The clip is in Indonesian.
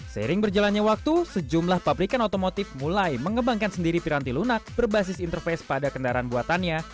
seiring berjalannya waktu sejumlah pabrikan otomotif mulai mengembangkan sendiri piranti lunak berbasis interface pada kendaraan buatannya